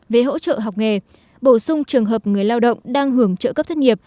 về hỗ trợ học nghề bổ sung trường hợp người lao động đang hưởng trợ cấp thất nghiệp